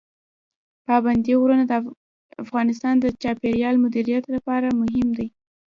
پابندي غرونه د افغانستان د چاپیریال مدیریت لپاره مهم دي.